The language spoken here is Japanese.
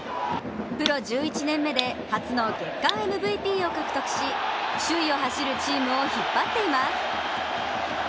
プロ１１年目で初の月間ＭＶＰを獲得し、首位を走るチームを引っ張っています。